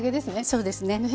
そうですね。